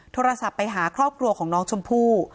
โทรศัพท์ไปหาครอบครัวของน้องชมพู่